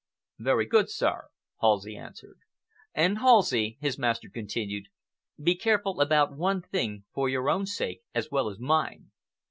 "Very good, sir," Halsey answered. "And, Halsey," his master continued, "be careful about one thing, for your own sake as well as mine.